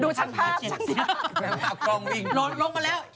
โน่นลงไปแล้ว